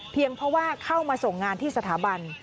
เพราะว่าเข้ามาส่งงานที่สถาบัน